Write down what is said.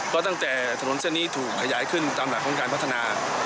ก็ตั้งแต่ถนนเส้นนี้ถูกขยายขึ้นตามหลักของการพัฒนา